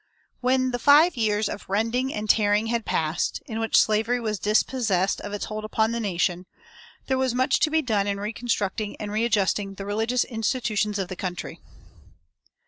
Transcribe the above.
When the five years of rending and tearing had passed, in which slavery was dispossessed of its hold upon the nation, there was much to be done in reconstructing and readjusting the religious institutions of the country.